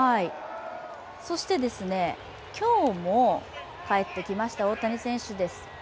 そして、今日も帰ってきました大谷選手です。